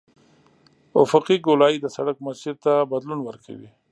افقي ګولایي د سرک مسیر ته بدلون ورکوي